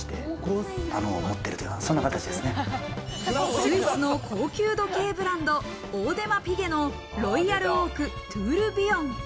スイスの高級時計ブランド、オーデマ・ピゲのロイヤルオークトゥールビヨン。